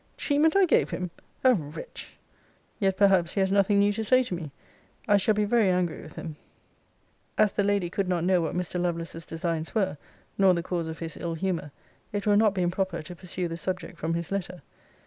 Treatment I gave him! a wretch! Yet perhaps he has nothing new to say to me. I shall be very angry with him. [As the Lady could not know what Mr. Lovelace's designs were, nor the cause of his ill humour, it will not be improper to pursue the subject from his letter.